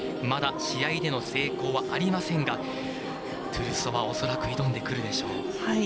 まだ試合での成功はありませんがトゥルソワ恐らく挑んでくるでしょう。